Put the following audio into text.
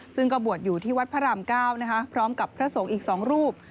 ซึ่งก็บวชอยู่ที่วัดพระราม๙พร้อมกับพระสงฆ์อีก๒รูป